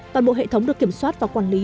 toàn bộ hệ thống được kiểm soát và quản lý